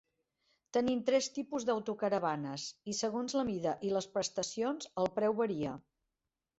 Tenim tres tipus d'autocaravanes, i segons la mida i les prestacions el preu varia.